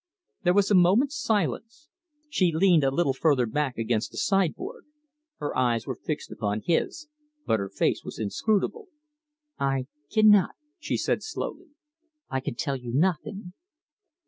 There was a moment's silence. She leaned a little further back against the sideboard. Her eyes were fixed upon his, but her face was inscrutable. "I cannot," she said slowly. "I can tell you nothing."